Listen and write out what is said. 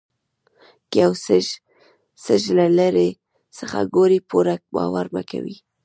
که یو څیز له لرې څخه ګورئ پوره باور مه کوئ.